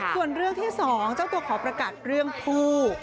ส่วนเรื่องที่๒เจ้าตัวขอประกัดเรื่องผู้